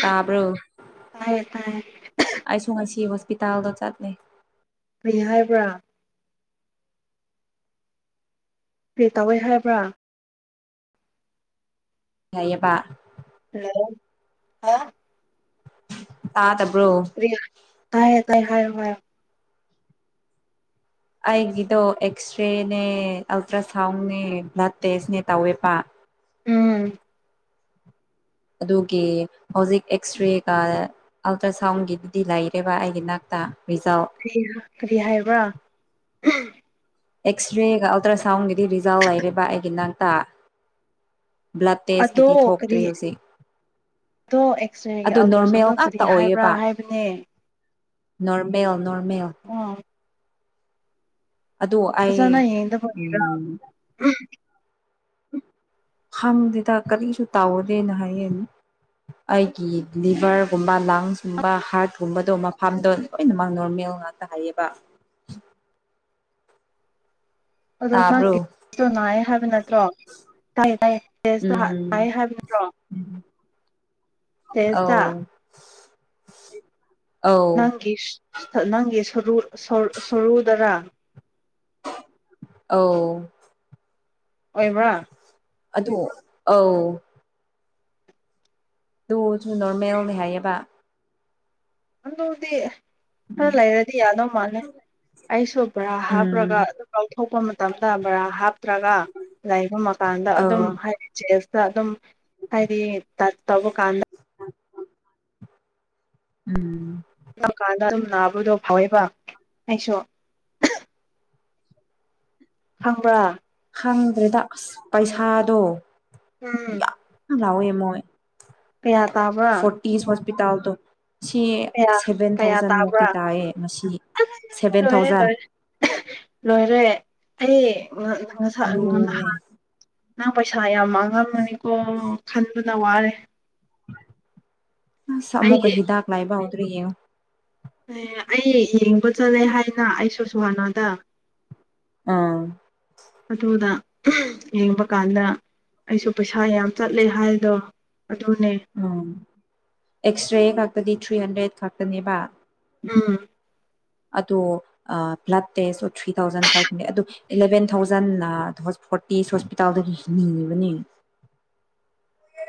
ꯇꯕ꯭ꯔꯣ ꯇꯥꯏꯌꯦ ꯇꯥꯏꯌꯦ ꯑꯩꯁꯨ ꯉꯥꯁꯤ ꯍꯣꯁ ꯄꯤꯇꯥꯜꯗ ꯆꯥꯠꯅꯤ ꯀꯔꯤ ꯍꯥꯏꯕ꯭ꯔꯥ ꯀꯔꯤ ꯇꯧꯋꯦ ꯍꯥꯏꯕ꯭ꯔꯥ ꯂꯩꯌꯦꯕ ꯍꯜꯂꯣ ꯑ ꯇꯥꯗꯕ ꯀꯔꯤ ꯇꯥꯢꯌꯦ ꯇꯥꯏꯌꯦ ꯍꯥꯏꯌꯣ ꯍꯥꯏꯌꯣ ꯑꯩꯒꯤꯗꯣ ꯑꯦꯛꯁꯔꯦꯅꯦ ꯑꯜꯇ꯭ꯔ ꯁꯥꯎꯟꯅꯦ ꯕ꯭ꯂꯠ ꯇꯦꯁꯅꯦ ꯇꯧꯋꯦꯕ ꯎꯝ ꯑꯗꯨꯒꯤ ꯍꯧꯖꯤꯛ ꯑꯦꯛꯁ ꯔꯦꯒ ꯑꯜꯇ꯭ꯔ ꯁꯥꯎꯟꯒꯤꯗꯨꯗꯤ ꯂꯩꯔꯦꯕ ꯑꯩꯒꯤ ꯅꯥꯛꯇ ꯔꯤꯖꯜ ꯀꯔꯤꯅꯣ ꯀꯔꯤ ꯍꯥꯏꯕ꯭ꯔꯥ ꯑꯦꯛꯁꯔꯦꯒ ꯑꯜꯇ꯭ꯔꯥꯁꯎꯟꯒꯤꯗꯤ ꯔꯤꯖꯥꯜ ꯂꯩꯔꯦꯕꯥ ꯑꯩꯒꯤ ꯅꯥꯛꯇ ꯕ꯭ꯂꯠ ꯑꯗꯣ ꯇꯦꯁꯀꯤꯗꯤ ꯀꯔꯤ ꯊꯣꯛꯇ꯭ꯔꯤ ꯍꯧꯖꯤꯛ ꯑꯗꯣ ꯑꯦꯛꯁꯔꯦꯒꯤ ꯑꯗꯨ ꯅꯣꯔꯃꯦꯜ ꯑꯜꯇ꯭ꯔꯥꯁꯥꯎꯟꯗꯣ ꯀꯔꯤ ꯉꯥꯛꯇ ꯍꯥꯏꯕ꯭ꯔꯥ ꯑꯣꯏꯌꯦꯕ ꯍꯥꯏꯕꯅꯦ ꯅꯣꯔꯃꯦꯜ ꯅꯣꯔꯃꯦꯜ ꯑꯣ ꯑꯗꯨ ꯑꯩ ꯐꯖꯥꯅ ꯌꯦꯡꯗꯕꯒꯤꯔꯥ ꯈꯪꯗꯦꯗꯥ ꯀꯔꯤꯁꯨ ꯇꯧꯗꯦꯅ ꯍꯥꯏꯌꯦ ꯑꯩꯒꯤ ꯂꯤꯚꯔꯒꯨꯝꯕꯥ ꯂꯪꯁꯀꯨꯝꯕꯥ ꯍꯥꯔꯠꯀꯨꯝꯕꯗꯣ ꯃꯐꯝꯗꯣ ꯂꯣꯏꯅꯃꯛ ꯅꯣꯔꯃꯦꯜ ꯑꯗꯨꯀꯥꯟꯗ ꯍꯥꯏꯌꯦꯕꯥ ꯑꯗꯣ ꯇꯥꯕ꯭ꯔꯣ ꯅꯪꯒꯤꯗꯣ ꯅꯥꯌꯦ ꯍꯥꯏꯕ ꯅꯠꯇ꯭ꯔꯣ ꯇꯥꯏꯌꯦ ꯇꯥꯏꯌꯦ ꯇꯦꯁꯇꯣ ꯎꯝ ꯍꯥꯏꯌꯦ ꯍꯥꯏꯕ ꯅꯠꯇ꯭ꯔꯣ ꯇꯦꯁꯇꯥ ꯑꯧ ꯑꯧ ꯅꯪꯒꯤ ꯁ꯭ꯊꯠ ꯅꯪꯒꯤ ꯁꯔꯨ ꯁꯔꯨꯗꯔꯥ ꯑꯧ ꯑꯣꯏꯕ꯭ꯔꯥ ꯑꯗꯣ ꯑꯥꯎ ꯑꯗꯨ ꯑꯣꯖꯨ ꯅꯣꯔꯃꯦꯜꯅꯦ ꯍꯥꯏꯌꯦꯕꯥ ꯑꯗꯨꯗꯤ ꯈꯔ ꯂꯩꯔꯗꯤ ꯌꯥꯗꯧ ꯃꯥꯜꯂꯦ ꯑꯩꯁꯨ ꯕ꯭ꯔꯥ ꯎꯝ ꯍꯥꯞꯔꯒ ꯑꯗꯨꯝ ꯂꯧꯊꯣꯛꯄ ꯃꯇꯝꯗ ꯕ꯭ꯔꯥ ꯍꯥꯞꯇ꯭ꯔꯒ ꯂꯩꯕ ꯃꯀꯥꯟꯗ ꯑꯧ ꯑꯗꯨꯝ ꯍꯥꯏ ꯆꯦꯟꯁ ꯇ ꯑꯗꯨꯝ ꯍꯥꯏꯗꯤ ꯇꯆ ꯇꯧꯕ ꯀꯥꯟꯗ ꯎꯝ ꯀꯥꯟꯗ ꯑꯗꯨꯝ ꯅꯥꯕꯗꯣ ꯐꯥꯎꯋꯦꯕꯥ ꯑꯩꯁꯨ ꯈꯪꯕ꯭ꯔꯥ ꯈꯪꯗ꯭ꯔꯦꯗꯥ ꯑꯁ ꯄꯩꯁꯥꯗꯣ ꯎꯝ ꯌꯥꯝ ꯂꯥꯎꯋꯦ ꯃꯣꯏ ꯀꯌꯥ ꯇꯥꯕ꯭ꯔꯥ ꯄꯤꯇꯥꯜꯗꯣ ꯁꯤ ꯀꯌꯥ ꯁꯦꯚꯦꯟ ꯀꯌꯥ ꯊꯥꯎꯖꯟ ꯇꯥꯕ꯭ꯔꯥ ꯃꯨꯛꯇꯤ ꯇꯥꯏꯌꯦ ꯉꯁꯤ ꯁꯦꯚꯦꯟ ꯂꯣꯏꯔꯦ ꯊꯥꯎꯖꯟ ꯂꯣꯏꯔꯦ ꯂꯣꯏꯔꯦ ꯑꯩ ꯉ ꯉꯁꯥꯏ ꯂꯨꯑꯦ ꯅꯍꯥꯟ ꯅꯪ ꯄꯩꯁꯥ ꯌꯥꯎ ꯃꯥꯡꯉꯝꯃꯅꯤꯀꯣ ꯈꯟꯕꯗ ꯋꯥꯔꯦ ꯑꯁ ꯑꯃꯨꯛꯀ ꯍꯤꯗꯥꯛ ꯂꯥꯏꯕ ꯍꯧꯗ꯭ꯔꯤ ꯌꯦꯡꯉꯨ ꯑꯦ ꯑꯩ ꯌꯦꯡꯕ ꯆꯠꯂꯦ ꯍꯥꯏꯅꯥ ꯑꯩꯁꯨ ꯁꯨꯍꯥꯅꯥꯗ ꯑꯥ ꯌꯦꯡꯕ ꯀꯥꯟꯗ ꯑꯩꯁꯨ ꯄꯩꯁꯥ ꯌꯥꯝ ꯆꯠꯂꯦ ꯍꯥꯏꯗꯣ ꯑꯗꯨꯅꯦ ꯎꯝ ꯑꯦꯛꯁ꯭ꯔꯦ ꯈꯛꯇꯗꯤ ꯊ꯭ꯔꯤ ꯍꯟꯗ꯭ꯔꯦꯗ ꯈꯛꯇꯅꯦꯕꯥ ꯎꯝ ꯑꯗꯣ ꯑꯥ blood test to three thousand five hundred ꯑꯗꯣ ꯏꯂꯦꯚꯦꯟ ꯊꯥꯎꯖꯟ ꯅꯥ ꯍꯣꯁ ꯐꯣꯔꯇꯤꯖ ꯍꯣꯁꯄꯤꯇꯥꯜꯗꯒꯤ ꯍꯤꯡꯅꯤꯡꯉꯤꯕꯅꯤ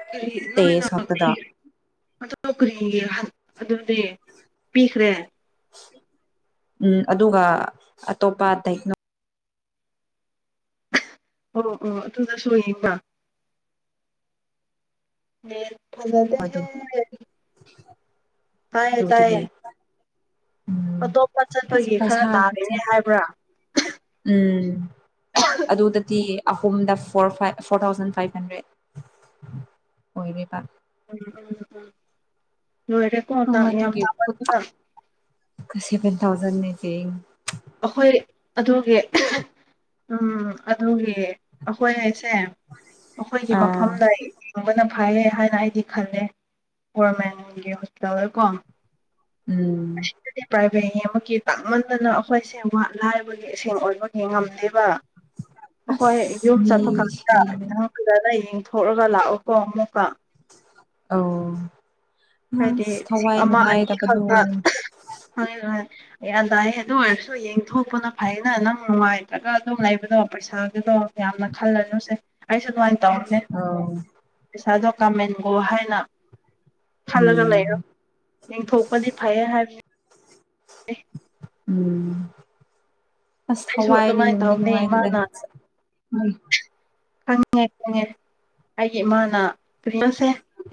ꯀ꯭ꯔꯤ ꯅꯣꯏꯅ ꯀ꯭ꯔꯤ ꯑꯗꯨꯒ ꯀ꯭ꯔꯤ [unintelligible] ꯑꯗꯨꯗꯤ ꯄꯤꯈ꯭ꯔꯦ ꯎꯝ ꯑꯗꯨꯒꯥ ꯑꯇꯣꯞꯄꯥ ꯑꯇꯩ ꯑꯣ ꯑꯣ ꯑꯗꯨꯗꯁꯨ ꯌꯦꯡꯕꯥ ꯃꯦꯜ ꯐꯖꯗꯦꯍꯦ ꯇꯥꯏꯌꯦ ꯇꯥꯏꯌꯦ ꯗꯥꯏꯒꯅꯣꯗꯨꯗꯒꯤ ꯎꯝ ꯑꯇꯣꯞꯄ ꯑꯁ ꯆꯠꯄꯒꯤ ꯈꯔ ꯄꯩꯁꯥ ꯇꯥꯕꯤꯅꯦ ꯈꯨꯠꯆꯪ ꯍꯥꯏꯕ꯭ꯔꯥ ꯎꯝ ꯑꯗꯨꯗꯗꯤ ꯑꯍꯨꯝꯗ four five four thousand five hundred ꯑꯣꯏꯔꯦꯕꯥ [unintelligible] ꯂꯣꯏꯔꯦꯀꯣ ꯑꯣ ꯌꯥꯝ ꯑꯗꯨꯒꯤ ꯈꯨꯇꯛꯇ [unintelligible] ꯁꯦꯚꯦꯟ ꯊꯥꯎꯖꯟ ꯅꯦ ꯄꯦꯌꯤꯡ ꯑꯈꯣꯏ ꯑꯗꯨꯒꯤ ꯎꯝ ꯑꯗꯨꯒꯤ ꯑꯈꯣꯏ ꯍꯥꯏ ꯁꯦ ꯑꯈꯣꯏꯒꯤ ꯑꯥ ꯃꯐꯝꯂꯩ ꯍꯤꯡꯕꯅ ꯐꯩꯌꯦ ꯍꯥꯏꯅ ꯑꯩꯗꯤ ꯈꯜꯂꯦ ꯒꯣꯔꯃꯦꯟꯒꯤ ꯍꯣꯇꯦꯜꯗꯀꯣ ꯎꯝ ꯅꯦꯅꯦ ꯑꯃꯒꯤ ꯇꯥꯡꯃꯟꯗꯅꯥ ꯑꯈꯣꯏꯁꯦ ꯋꯥꯠ ꯂꯥꯏꯕꯒꯤ ꯑꯁꯤꯡ ꯑꯣꯏꯕꯒꯤ ꯉꯝꯗꯦꯕꯥ ꯑꯍꯣꯏ ꯌꯨꯝ ꯑꯁ ꯃꯤ ꯆꯠꯄ ꯈꯛꯇ ꯁꯤꯔꯦ [unintelligible] ꯌꯦꯡ ꯊꯣꯛꯔꯒ ꯂꯥꯛꯑꯣꯀꯣ ꯑꯃꯨꯛꯀ ꯑꯧ ꯍꯥꯏꯗꯤ ꯑꯁ ꯂꯤꯁꯤꯡ ꯊꯋꯥꯏ ꯑꯃ ꯑꯅꯤ ꯅꯨꯡꯉꯥꯏꯇꯕꯗꯣ ꯈꯛꯇ ꯍꯥꯏꯕ ꯭ꯒꯌꯥꯟ ꯇꯥꯥꯏꯌꯦ ꯑꯗꯨ ꯑꯣꯏꯔꯁꯨ ꯌꯦꯡꯊꯣꯛꯄꯅ ꯐꯩꯌꯦ ꯅꯥ ꯅꯪ ꯅꯨꯡꯉꯥꯏꯇ꯭ꯔꯒ ꯑꯗꯨꯝ ꯂꯩꯕꯗꯣ ꯄꯩꯁꯥꯒꯤꯗꯣ ꯌꯥꯝꯅ ꯈꯜꯂꯅꯨꯁꯦ ꯑꯩꯁꯨ ꯑꯗꯨꯋꯥꯏ ꯇꯧꯔꯁꯦ ꯑꯧ ꯄꯩꯁꯥꯗꯣ ꯀꯥꯃꯦꯟꯒꯣ ꯍꯥꯏꯅ ꯈꯜꯂꯒ ꯂꯩꯔꯣ ꯎꯝ ꯌꯦꯡꯊꯣꯛꯄꯗꯤ ꯐꯩꯌꯦ ꯍꯥꯏꯕꯅꯤ ꯎꯝ ꯑꯁ ꯑꯩꯁꯨ ꯊꯋꯥꯏꯗꯤ ꯑꯗꯨꯃꯥꯏꯅ ꯅꯨꯡꯗꯤ ꯇꯧꯅꯦ ꯅꯨꯡꯉꯥꯏꯇꯦꯗ ꯏꯃꯥꯅ ꯎꯝ ꯈꯪꯉꯦ ꯈꯪꯉꯦ ꯑꯩꯒꯤ ꯏꯃꯥꯅ ꯄꯔꯤꯅꯣꯁꯦ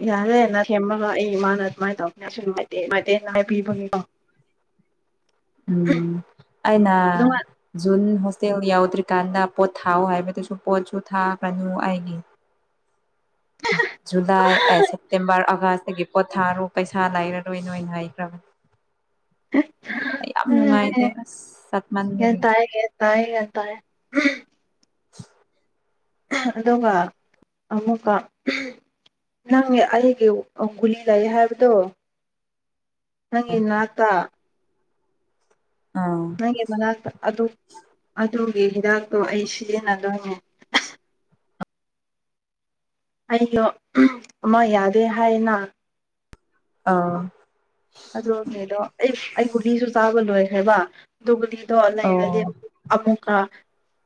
ꯌꯥꯔꯦꯅ ꯊꯦꯝꯃꯒ ꯑꯩ ꯏꯃꯥꯅ ꯑꯗꯨꯃꯥꯏꯅ ꯇꯧꯕꯅꯦ ꯑꯩꯁꯨ ꯅꯨꯡꯉꯥꯏꯇꯦ [unintelligible] ꯍꯥꯏꯕꯤꯕꯒꯤꯀꯣ ꯎꯝ ꯑꯩꯅꯥ ꯑꯗꯨꯒ ꯖꯨꯟ ꯖꯨꯟ ꯌꯧꯗ꯭ꯔꯤꯀꯥꯟꯗ ꯄꯣꯠ ꯊꯥꯑꯣ ꯍꯥꯏꯕꯗꯨꯁꯨ ꯄꯣꯠꯁꯨ ꯊꯥꯒꯅꯨ ꯑꯩꯒꯤ ꯖꯨꯂꯥꯏ ꯑꯦ ꯁꯦꯞꯇꯦꯝꯕꯔ ꯑꯥꯒꯁ ꯑꯩꯒꯤ ꯄꯣꯠ ꯊꯥꯔꯣ ꯄꯩꯁꯥ ꯂꯩꯔꯔꯣꯏ ꯅꯣꯏꯅ ꯍꯥꯏꯈ꯭ꯔꯕꯅꯤ ꯑꯩ ꯌꯥꯝ ꯅꯨꯡꯉꯥꯏꯇꯦ ꯑꯦ ꯑꯁ ꯒ꯭ꯌꯥꯟ ꯆꯠꯃꯟꯕꯒꯤ ꯇꯥꯏ ꯒ꯭ꯌꯥꯟ ꯇꯥꯏ ꯒ꯭ꯌꯥꯟ ꯇꯥꯏ ꯑꯗꯨꯒ ꯑꯃꯨꯛꯀ ꯅꯪ ꯑꯩꯒꯤ ꯑꯥ ꯒꯨꯂꯤ ꯂꯩꯌꯦ ꯍꯥꯏꯕꯗꯣ ꯅꯪꯒꯤ ꯅꯥꯛꯇꯥ ꯑꯥ ꯅꯪꯒꯤ ꯃꯅꯥꯛꯇ ꯑꯗꯣ ꯑꯗꯣ ꯍꯤꯗꯥꯛꯇꯣ ꯑꯩ ꯁꯤꯖꯤꯟꯅꯗꯣꯏꯅꯦ ꯑꯩꯗꯣ ꯑꯃ ꯌꯥꯗꯦ ꯍꯥꯏꯌꯦꯅ ꯑꯥꯎ ꯑꯗꯨꯒꯤꯗꯣ ꯑꯩꯁ ꯑꯩ ꯒꯨꯂꯤꯁꯨ ꯆꯥꯕ ꯂꯣꯏꯈ꯭ꯔꯕ ꯑꯗꯨ ꯒꯨꯂꯤ ꯗꯣ ꯑꯣ ꯂꯩꯔꯗꯤ ꯑꯃꯨꯛꯀ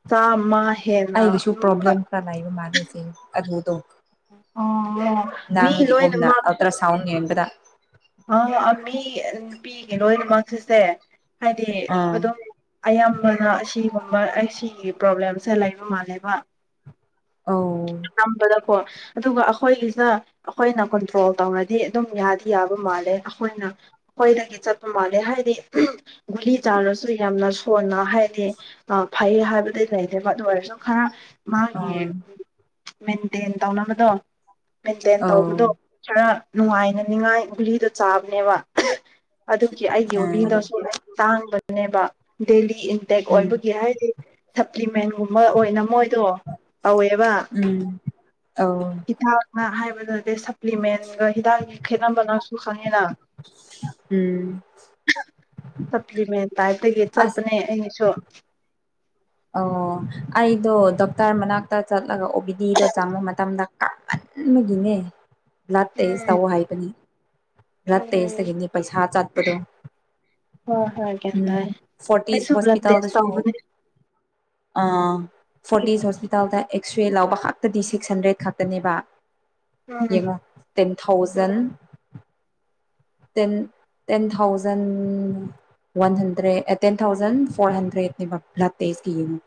ꯆꯥꯝꯃꯥꯏ ꯑꯩꯒꯤꯁꯨ ꯄ꯭ꯔꯣꯕ꯭ꯂꯦꯝ ꯈꯔ ꯂꯩꯕ ꯃꯥꯜꯂꯦ ꯆꯦ ꯑꯗꯨꯗꯣ ꯑꯣ ꯃꯤ ꯅꯪꯒꯤꯒꯨꯝꯅ ꯑꯜꯇ꯭ꯔ ꯁꯥꯎꯟ ꯌꯦꯕꯗ ꯑꯥ ꯃꯤ ꯅꯨꯄꯤꯒꯤ ꯂꯣꯏꯅꯃꯛ ꯁꯤꯁꯦ ꯍꯥꯏꯗꯤ ꯑꯥ ꯑꯗꯨꯝ ꯑꯌꯥꯝꯕꯅ ꯑꯁꯤ ꯒꯨꯝꯕ ꯑꯁꯤꯒꯤ ꯄ꯭ꯔꯣꯕ꯭ꯂꯦꯝꯁꯦ ꯂꯩꯕ ꯃꯥꯜꯂꯦꯕ ꯑꯧ ꯀꯣ ꯑꯗꯨꯒ ꯑꯩꯈꯣꯏꯒꯤꯁꯤꯅ ꯑꯩꯈꯣꯏꯅ ꯀꯟꯇ꯭ꯔꯣꯜ ꯇꯧꯔꯗꯤ ꯑꯗꯨꯝ ꯌꯥꯗꯤ ꯌꯥꯕ ꯗꯨꯝ ꯃꯥꯜꯂꯦ ꯑꯩꯈꯣꯏꯅ ꯑꯩꯈꯣꯏꯗꯒꯤ ꯆꯠꯄ ꯃꯥꯜꯂꯦ ꯍꯥꯏꯗꯤ ꯒꯨꯂꯤ ꯆꯥꯔꯁꯨ ꯌꯥꯝꯅ ꯁꯣꯟꯅ ꯍꯥꯏꯗꯤ ꯐꯩ ꯍꯥꯏꯕꯗꯤ ꯂꯩꯇꯦꯕ ꯑꯗꯨ ꯑꯣꯏꯔꯁꯨ ꯈꯔ ꯃꯥꯒꯤ ꯑꯥ ꯃꯦꯟꯇꯦꯟ ꯇꯧꯅꯕꯗꯣ ꯃꯦꯟꯇꯦꯟ ꯇꯧꯕꯗꯣ ꯑꯧ ꯈꯔ ꯅꯨꯡꯉꯥꯏꯅꯅꯤꯡꯉꯥꯏ ꯒꯨꯂꯤꯗꯣ ꯆꯥꯕꯅꯦꯕ ꯑꯗꯨꯒꯤ ꯑꯩꯒꯤ ꯑꯥ ꯒꯨꯂꯤꯗꯨꯁꯨ ꯇꯥꯡꯕꯅꯦꯕ ꯗꯦꯂꯤ ꯏꯟꯇꯦꯛ ꯎꯝ ꯑꯣꯏꯕꯒꯤ ꯍꯥꯏꯗꯤ ꯁꯄ꯭ꯂꯤꯃꯦꯟꯒꯨꯝꯕ ꯑꯣꯏꯅ ꯃꯣꯏꯗꯣ ꯇꯧꯋꯦꯕ ꯎꯝ ꯑꯧ ꯍꯤꯗꯥꯛꯅ ꯍꯥꯏꯕꯗꯨꯗꯤ ꯁꯄ꯭ꯂꯤꯃꯦꯟꯒ ꯍꯤꯗꯥꯛꯒꯤ ꯈꯦꯠꯅꯕ ꯅꯪꯁꯨ ꯈꯪꯉꯤꯅ ꯎꯝ ꯁꯄ꯭ꯂꯤꯃꯦꯟ ꯇꯥꯏꯞꯇꯒꯤ ꯑꯁ ꯆꯠꯄꯅꯦ ꯑꯩꯩꯅꯁꯨ ꯑꯣ ꯑꯩꯗꯣ ꯗꯣꯛꯇꯔ ꯃꯅꯥꯛꯇ ꯆꯠꯂꯒ ꯑꯣ ꯄꯤ ꯇꯤ ꯗꯣ ꯆꯪꯕ ꯃꯇꯝꯗ ꯇꯞ ꯃꯟꯕꯒꯤꯅꯦ ꯕ꯭ꯂꯗ ꯇꯦꯁ ꯎꯝ ꯇꯧ ꯍꯥꯏꯕꯅꯤ ꯕ꯭ꯂꯠ ꯎꯝ ꯇꯦꯁꯇꯒꯤꯅꯤ ꯄꯩꯁꯥ ꯆꯠꯄꯗꯣ ꯍꯣꯏ ꯍꯣꯏ ꯒ꯭ꯌꯥꯟ ꯎꯝ ꯇꯥꯏ ꯐꯣꯔꯇꯤꯁ ꯑꯩꯁꯨ ꯕ꯭ꯂꯠ ꯇꯦꯁ ꯍꯣꯁꯄꯤꯇꯥꯜꯗꯁꯨ ꯇꯧꯕꯅꯦ ꯑꯥ ꯐꯣꯔꯇꯤꯁ ꯍꯣꯁꯄꯤꯇꯥꯜꯗ ꯑꯦꯛꯁ꯭ꯔꯦ ꯂꯧꯕ ꯈꯛꯇꯗꯤ ꯁꯤꯛꯁ ꯍꯟꯗ꯭ꯔꯦꯗ ꯈꯛꯇꯅꯦꯕ ꯎꯝ ꯌꯦꯡꯉꯣ ten thousand ten ten thousand one hundred ꯑꯦ ꯇꯦꯟ ꯊꯥꯎꯖꯟ ꯐꯣꯔ ꯍꯟꯗ꯭ꯔꯦꯠ ꯅꯦꯕ ꯕ꯭ꯂꯠꯇꯦꯁ ꯀꯤ ꯌꯦꯡꯉꯣ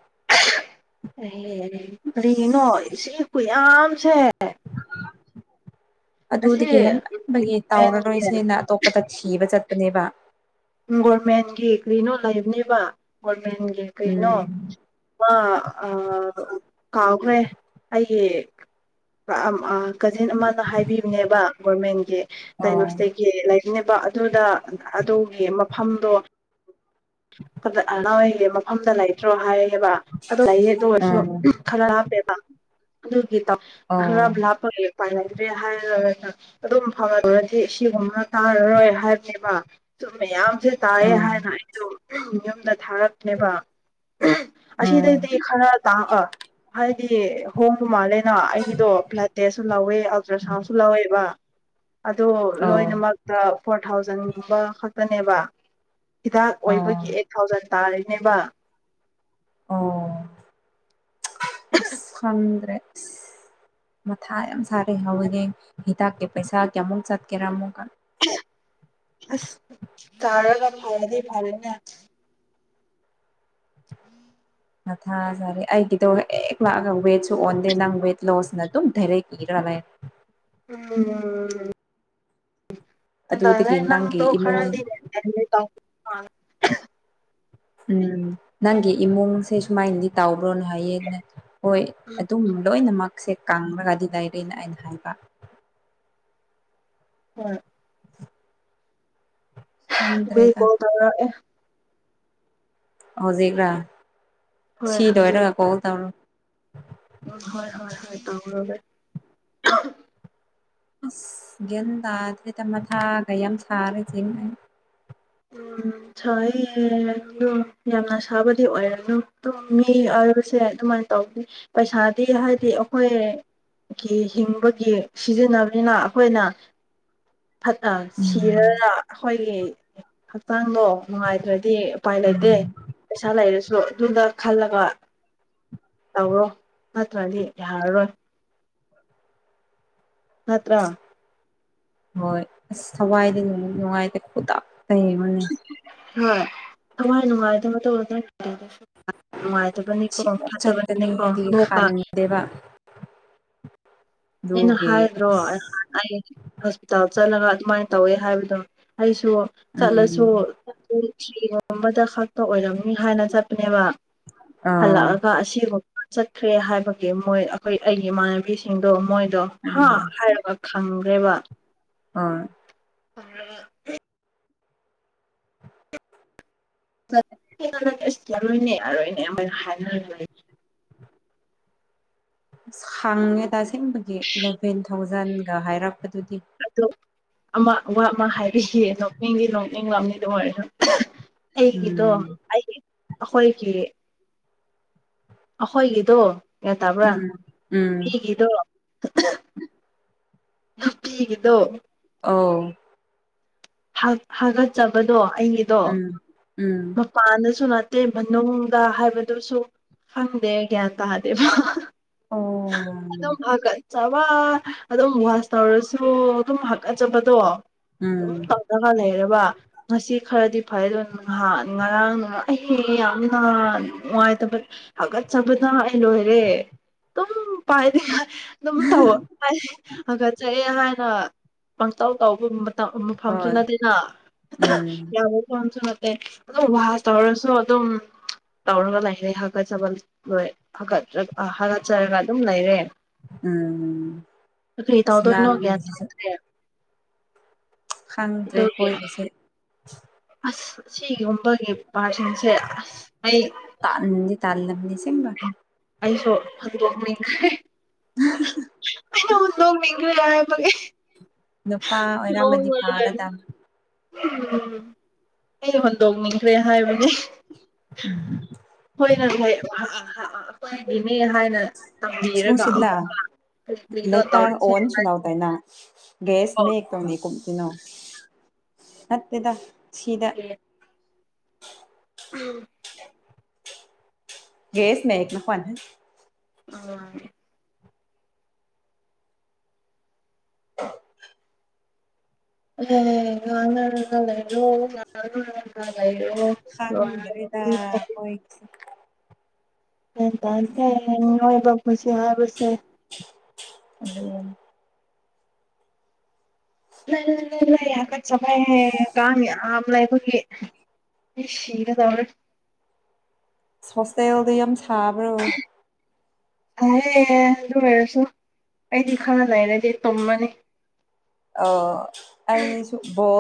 ꯑꯦ ꯀꯔꯤꯒꯤꯅꯣ ꯏꯁꯤ ꯈꯨꯌꯥꯝꯁꯦ ꯑꯁꯤ ꯑꯗꯨꯗꯒꯤ ꯍꯦꯟꯃꯟꯕꯒꯤ ꯒꯣꯔꯃꯦꯟꯒꯤ ꯇꯥꯎꯔꯔꯣꯏꯁꯦꯅ ꯑꯇꯣꯞꯄꯗ ꯊꯤꯕ ꯆꯠ ꯕꯅꯦꯕ ꯒꯣꯔꯃꯦꯟꯒꯤ ꯀꯔꯤꯅꯣ ꯂꯩꯕꯅꯦꯕ ꯃꯦꯟꯒꯤ ꯀꯩꯅꯣ ꯎꯝ ꯃꯥ ꯑꯥ ꯀꯥꯎꯈ꯭ꯔꯦ ꯑꯩ [unintelligible] ꯀꯖꯤꯟ ꯑꯃꯅ ꯍꯥꯏꯕꯤꯕꯅꯦꯕ ꯒꯣꯔꯃꯦꯟꯒꯤ ꯑꯥ ꯗꯥꯏꯒꯣꯅꯣꯁꯇꯤꯛꯀꯤ ꯂꯩꯕꯅꯦꯕ ꯑꯗꯨꯗ ꯑꯗꯨꯒꯤ ꯃꯐꯝꯗꯣ ꯑꯗꯣ ꯑꯅꯍꯣꯏꯒꯤ ꯃꯐꯝꯗ ꯂꯩꯇ꯭ꯔꯣ ꯍꯥꯏ ꯕ ꯑꯗꯨ ꯂꯩꯌꯦ ꯑꯗꯣ ꯑꯣꯏꯔꯁꯨ ꯈꯔ ꯂꯥꯞꯄꯦꯕ ꯑꯗꯨ ꯒꯤꯇꯣ ꯑꯣ ꯈꯔ ꯂꯥꯞꯄꯒꯤ ꯎꯄꯥꯏ ꯂꯩꯇ꯭ꯔꯦ ꯍꯥꯏꯔꯒ ꯑꯗꯨꯝ ꯐꯔꯨꯔꯗꯤ ꯁꯤꯒꯨꯝꯕ ꯇꯥꯔꯔꯣꯏ ꯍꯥꯏꯕꯅꯦꯕ ꯑꯗꯨ ꯃꯌꯥꯝ ꯗꯦ ꯇꯥꯢꯌꯦ ꯎꯝ ꯍꯥꯏꯅ ꯑꯩꯗꯣ [inaudible] ꯌꯨꯝꯗ ꯊꯥꯔꯛꯅꯦꯕ ꯑꯍꯨ ꯎꯝ ꯑꯁꯤꯗꯩꯗꯤ ꯈꯔ ꯇꯥꯛ ꯑ ꯍꯥꯏꯗꯤ ꯍꯣꯡꯕ ꯃꯥꯂꯦ ꯔꯥ ꯑꯩꯒꯤꯗꯣ ꯕ꯭ꯂꯗ ꯇꯦꯁꯁꯨ ꯂꯧꯋꯦ ꯑꯜꯇ꯭ꯔꯥ ꯁꯥꯎꯟꯁꯨ ꯂꯧꯋꯦꯕ ꯑꯗꯣ ꯑꯣ ꯂꯣꯏꯅꯃꯛꯇ ꯐꯣꯔ ꯊꯥꯎꯖꯟꯒꯨꯝꯕ ꯈꯛꯇꯅꯦꯕ ꯍꯤꯗꯥꯛ ꯑꯣ ꯑꯣꯏꯕꯒꯤ ꯑꯩꯠ ꯊꯥꯎꯖꯟ ꯇꯥꯔꯤꯅꯦꯕ ꯑꯣ ꯑꯁ ꯈꯪꯗ꯭ꯔꯦ ꯑꯁ ꯃꯊꯥ ꯌꯥꯝ ꯁꯥꯔꯦ ꯍꯧꯕꯒꯦꯡ ꯍꯤꯗꯥꯛꯀꯤ ꯄꯩꯁꯥ ꯀꯌꯥꯃꯨꯛ ꯆꯠꯀꯦꯔꯥ ꯑꯃꯨꯛꯀ ꯑꯁ ꯇꯥꯔꯒ ꯐꯔꯗꯤ ꯐꯔꯦꯅꯦ ꯃꯊ ꯁꯥꯔꯦ ꯑꯩꯒꯤꯗꯣ ꯍꯦꯛ ꯂꯥꯛꯑꯒ ꯋꯦꯠꯁꯨ ꯑꯣꯟꯗꯦ ꯅꯪ ꯋꯦꯠ ꯂꯣꯁꯅ ꯑꯗꯨꯝ ꯗꯥꯏꯔꯦꯛ ꯏꯔ ꯇꯜꯂꯦ ꯎꯝ ꯀꯩꯗꯧꯔꯦ ꯑꯗꯨꯗꯒꯤ ꯅꯪ ꯅꯪꯒꯤ ꯇꯣꯛꯈꯔꯗꯤ ꯏꯃꯨꯡ [unintelligible] ꯎꯝ ꯅꯪꯒꯤ ꯏꯃꯨꯡꯁꯦ ꯁꯨꯃꯥꯏꯅꯗꯤ ꯇꯥꯎ ꯔꯣꯟ ꯍꯥꯏꯌꯦꯅ ꯍꯣꯏ ꯑꯗꯨꯝ ꯂꯣꯏꯅꯃꯛ ꯁꯦ ꯀꯡꯔꯒꯗꯤ ꯂꯩꯔꯤꯅ ꯑꯩꯅ ꯍꯥꯏꯕ ꯍꯣꯏ ꯑꯩ ꯈꯪꯗ꯭ꯔꯦꯗ ꯀꯣꯜ ꯇꯧꯔꯛ ꯑꯦ ꯍꯧꯖꯤꯛꯔꯥ ꯍꯣꯏ ꯍꯧꯖꯤꯛ ꯁꯤꯗꯣꯏꯔꯒ ꯀꯣꯜ ꯇꯧꯔꯣ ꯎꯝ ꯍꯣꯏ ꯍꯣꯏ ꯍꯣꯏ ꯇꯧꯔꯒꯦ ꯑꯁ ꯒꯤꯌꯟ ꯇꯗꯦꯗ ꯃꯊꯥꯒ ꯌꯥꯝ ꯁꯥꯔꯦ ꯖꯤꯡ [inaudible] ꯎꯝ ꯁꯏ ꯑꯗꯨ ꯌꯥꯝꯅ ꯁꯥꯕꯗꯤ ꯑꯣꯏꯔꯝꯅꯨ ꯑꯗꯨ ꯃꯤ ꯑꯣꯏꯕꯁꯦ ꯑꯗꯨꯃꯥꯏꯅ ꯇꯧꯕꯗꯤ ꯄꯩꯁꯥꯗꯤ ꯍꯥꯏꯗꯤ ꯑꯩꯈꯣꯏ ꯀꯤ ꯍꯤꯡꯕꯒꯤ ꯁꯤꯖꯤꯟꯅꯕꯅꯤꯅ ꯑꯈꯣꯏꯅ ꯐꯠ ꯑ ꯎꯝ ꯁꯤꯔꯒ ꯑꯈꯣꯏꯒꯤ ꯍꯛꯆꯥꯡꯗꯣ ꯅꯨꯡꯉꯥꯏꯇ꯭ꯔꯗꯤ ꯎꯄꯥꯏ ꯂꯩꯇꯦ ꯎꯝ ꯄꯩꯁ ꯂꯩꯔꯁꯨ ꯑꯗꯨꯅ ꯈꯜꯂꯒ ꯇꯧꯔꯣ ꯅꯠꯇ꯭ꯔꯗꯤ ꯌꯥꯔꯔꯣꯏ ꯅꯠꯇ꯭ꯔꯥ ꯍꯣꯏ ꯑꯁ ꯊꯋꯥꯏꯗꯤ ꯅꯨꯡꯉꯥꯏꯇꯦ ꯈꯨꯇꯥꯛ ꯇ ꯌꯦꯡꯕꯅꯦ ꯍꯣꯏ ꯊꯋꯥꯥꯏ ꯅꯨꯡꯉꯥꯏꯇꯕ ꯇꯧꯔꯔꯣꯢ ꯅꯨꯡꯉꯥꯏꯇꯕꯅꯤꯀꯣ ꯁꯤ ꯐꯠꯇꯕꯅꯤꯅꯀꯣ ꯆꯠꯀꯅꯤꯗꯤ ꯍꯣ ꯀ ꯈꯟꯗꯦꯕ ꯑꯩꯅ ꯑꯗꯨꯒꯤ ꯍꯥꯏꯗ꯭ꯔꯣ ꯑꯩ ꯍꯣꯁꯄꯤꯇꯥꯜ ꯆꯠꯂꯒ ꯑꯗꯨꯃꯥꯏꯅ ꯇꯧꯋꯦ ꯍꯥꯏꯕꯗꯣ ꯑꯩꯁꯨ ꯆꯠꯂꯁꯨ ꯎꯝ ꯄꯨꯡ ꯊꯤꯔ ꯑꯃꯇ ꯈꯛꯇ ꯑꯣꯏꯔꯝꯅꯤ ꯍꯥꯏꯅ ꯆꯠꯄꯅꯦꯕ ꯑꯥ ꯍꯜꯂꯛꯑꯒ ꯑꯁꯤꯒꯨꯝ ꯆꯠꯈ꯭ꯔꯦ ꯍꯥꯏꯕꯒꯤ ꯃꯣꯏ ꯑꯩꯈꯣꯏ ꯑꯩꯒꯤ ꯏꯃꯥꯟꯅꯕꯤꯁꯤꯡꯗꯣ ꯃꯣꯏ ꯗꯣ ꯍꯥ ꯎꯝ ꯍꯥꯏꯔꯒ ꯈꯪꯈ꯭ꯔꯦꯕ ꯑꯥ ꯇꯧꯔꯒ ꯍꯦꯛ [unintelligible] ꯑꯁ ꯌꯥꯔꯣꯏꯅꯦ ꯌꯥꯔꯣꯏꯅꯦ ꯑꯈꯣꯢ ꯍꯥꯢꯅꯈ꯭ꯔꯦ ꯑꯁ ꯈꯡꯉꯦꯗꯥ ꯑꯁꯦꯡꯕꯒꯤ ꯏꯂꯚꯦꯟ ꯊꯥꯎꯖꯟꯒ ꯍꯥꯏꯔꯛ ꯑꯗꯣ ꯑꯃ ꯋꯥ ꯑꯃ ꯍꯥꯏꯕꯤꯒꯦ ꯅꯣꯛꯅꯤꯡꯗꯤ ꯅꯣꯛꯅꯤꯡꯂꯝꯅꯤ ꯑꯗꯣ ꯍꯣꯢ ꯑꯩꯒꯤꯗꯣ ꯎꯝ ꯑꯩꯒꯤ ꯑꯈꯣꯏꯒꯤ ꯑꯈꯣꯏꯒꯤꯗꯣ ꯒꯌ꯭ꯥꯟ ꯇ꯭ꯕꯔꯥ ꯎꯝ ꯎꯝ ꯃꯤꯒꯤꯗꯣ ꯅꯨꯄꯤꯒꯤꯗꯣ ꯑꯣ ꯍꯥ ꯍꯥꯒꯠꯆꯕꯗꯣ ꯑꯩꯒꯤꯗꯣ ꯎꯝ ꯎꯝ ꯃꯄꯥꯟꯗꯁꯨ ꯇꯦ ꯃꯅꯨꯡꯗ ꯍꯥꯏꯕꯗꯨꯁꯨ ꯈꯪꯗꯦ ꯒ꯭ꯌꯥꯟ ꯇꯥꯗꯦꯕ ꯑꯣ ꯑꯗꯨꯝ ꯍꯥ ꯀꯜ ꯆꯥꯕ ꯑꯗꯨꯝ ꯋꯥꯁ ꯇꯧꯔꯁꯨ ꯑꯗꯨꯝ ꯍꯥꯀꯠꯆꯕꯗꯣ ꯎꯝ ꯑꯗꯨꯝ ꯇꯧꯔꯒ ꯂꯩꯔꯕ ꯉꯁꯤ ꯈꯔꯗꯤ ꯐꯩ ꯑꯗꯨ ꯉꯍꯥꯟ ꯉꯔꯥꯡꯅ ꯑꯩ ꯍꯦ ꯌꯥꯝꯅ ꯅꯨꯡꯉꯥꯏꯇꯕ ꯍꯥꯒꯠꯆꯕꯗ ꯑꯩ ꯂꯣꯏꯔꯦ ꯗꯨꯝ ꯄꯥꯢꯗꯦ ꯍꯥ ꯑꯗꯨꯝ ꯇꯧꯑꯣ ꯑꯩ ꯍꯥꯒꯠꯆꯩꯌꯦ ꯀꯦ ꯍꯥꯢꯅꯣ ꯄꯪꯇꯧ ꯇꯧꯕ ꯃ ꯃꯥꯐꯝꯁꯨ ꯍꯣꯏ ꯅꯠꯇꯦꯅ ꯎꯝ ꯌꯥꯕ ꯐꯝꯁꯨ ꯅꯠꯇꯦ ꯑꯦ ꯑꯗꯨꯝ ꯋꯥꯁ ꯇꯧꯔꯁꯨ ꯑꯗꯨꯝ ꯇꯧꯔꯒ ꯂꯥꯔꯦ ꯍꯥꯀꯠꯆꯕ ꯂꯣꯏ ꯍꯥꯒꯠꯆ ꯍꯥꯒꯠꯆꯔꯒ ꯑꯗꯨꯝ ꯂꯩꯔꯦ ꯎꯝ ꯀꯔꯤ ꯑꯁ ꯇꯧꯗꯣꯏꯅꯣ ꯒ꯭ꯌꯥꯟ ꯅꯪꯒꯤꯁꯤꯁꯨ ꯇꯥꯗ꯭ꯔꯦ ꯈꯪꯗ꯭ꯔꯦ ꯑꯗꯨꯒꯤ ꯑꯩꯈꯣꯏꯒꯤꯁꯦ ꯑꯁ ꯑꯁꯤꯒꯨꯝꯕꯒꯤ ꯄꯥꯔꯁꯤꯡꯁꯦ ꯑꯁ ꯑꯩ ꯇꯜꯂꯝꯅꯦ ꯑꯁꯤꯡꯕꯥ ꯑꯩꯁꯨ ꯍꯨꯟꯗꯣꯛꯅꯤꯡꯈ꯭ꯔꯦ ꯑꯩꯁꯨ ꯍꯨꯟꯗꯣꯛꯅꯤꯡꯈ꯭ꯔꯦ ꯍꯥꯏ ꯚꯪ ꯏ ꯅꯨꯄꯥ ꯑꯣꯏꯔꯝꯃꯗꯤ ꯐꯒꯥꯗꯝꯅꯤ ꯎꯝ ꯑꯩꯩ ꯍꯨꯟꯗꯣꯛꯅꯤꯡꯈ꯭ꯔꯦ ꯍꯥꯏꯕꯅꯦ ꯍꯣꯢ ꯍꯥ ꯍꯣꯢ [unintelligible] ꯑꯈꯣꯢꯗꯒꯤ ꯃꯤ ꯍꯣꯢꯅ ꯇꯝꯕꯤꯔꯒ ꯁꯨꯡꯁꯤꯜꯂ ꯑꯃꯨꯛꯀ ꯀꯔꯤꯒꯤꯅꯣ ꯇꯧꯔꯤꯁꯦ ꯍꯣꯢ ꯒꯦꯁ ꯃꯦ ꯀꯨꯝꯗꯤ ꯀꯨꯝꯒꯤꯅꯣ ꯅꯠꯇꯦꯗ ꯁꯤꯗ ꯑꯩ ꯒꯦꯁ ꯃꯦ ꯂꯨꯄꯟ ꯑꯥ [inaudible] ꯑ ꯉꯥꯡꯅꯔꯒ ꯂꯩꯕ꯭ꯔꯣ [unintelligible] ꯂꯩ ꯈꯪꯗ꯭ꯔꯦꯗ [unintelligible] ꯑꯩꯈꯣꯏꯒꯤꯁꯦ ꯒ꯭ꯌꯥꯟ ꯇꯥꯗꯦ ꯃꯤꯑꯣꯏꯕꯩ ꯄꯨꯟꯁꯤ ꯍꯥꯌꯕꯁꯦ ꯑꯗꯨꯅꯤ [unintelligible] ꯅꯣꯢ ꯍꯥꯒꯠꯆꯕꯩ ꯍꯣꯢꯔ ꯀꯥꯃꯤ ꯑꯍꯥꯝ ꯂꯩꯕꯒꯤ ꯃꯤ ꯁꯤꯒꯗꯧꯔꯦ ꯍꯣꯁꯇꯦꯜꯗꯣ ꯌꯥꯝ ꯁꯥꯕ꯭ꯔꯣ ꯐꯩꯌꯦ ꯑꯗꯨ ꯑꯣꯏꯔꯁꯨ ꯑꯩꯗꯤ ꯈꯔ ꯂꯩꯔꯗꯤ ꯇꯨꯝꯃꯅꯤ ꯑꯣ ꯑꯩꯁꯨ ꯕꯣꯜ